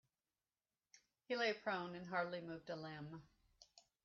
He lay prone and hardly moved a limb.